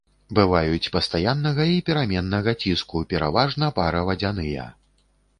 Бываюць пастаяннага і пераменнага ціску, пераважна паравадзяныя.